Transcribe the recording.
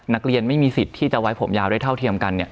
นักเรียนไม่มีสิทธิ์ที่จะไว้ผมยาวได้เท่าเทียมกัน